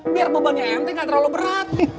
biar bebannya em kan nggak terlalu berat